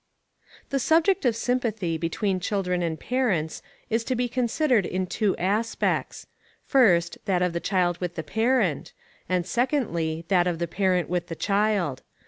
The subject of sympathy between children and parents is to be considered in two aspects: first, that of the child with the parent; and secondly, that of the parent with the child.